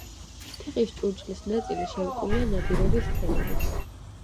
თიხის ჭურჭლის ნაწილი შემკულია ნადირობის სცენებით.